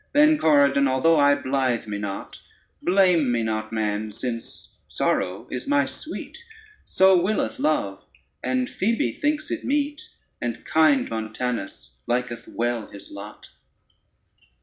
Then, Corydon, although I blithe me not, Blame me not, man, since sorrow is my sweet: So willeth love, and Phoebe thinks it meet, And kind Montanus liketh well his lot.